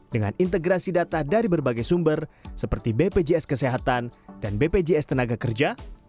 dengan integrasi data dari berbagai sumber seperti bpjs kesehatan dan bpjs tenaga kerja